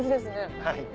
はい。